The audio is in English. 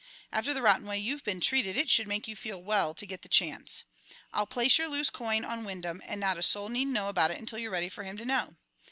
After the rotten way you've been treated, it should make you feel well to get the chance. I'll place your loose coin on Wyndham, and not a soul need know about it until you're ready for him to know.